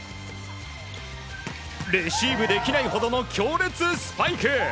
レシーブできないほどの強烈スパイク！